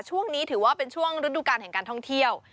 ช่วงนี้ถือว่าเป็นช่วงฤดูการแห่งการท่องเที่ยว